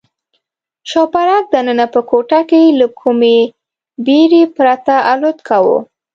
شوپرک دننه په کوټه کې له کومې بېرې پرته الوت کاوه.